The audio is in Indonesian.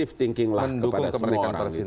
mendukung kemerdekaan persis